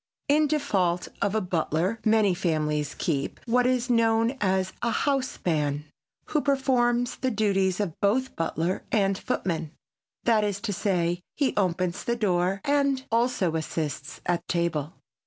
In default of a butler many families keep what is known as a house man, who performs the duties of both butler and footman; that is to say, he opens the door and also assists at table.